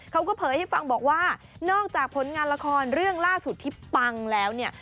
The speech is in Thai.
เผยให้ฟังบอกว่านอกจากผลงานละครเรื่องล่าสุดที่ปังแล้วเนี่ย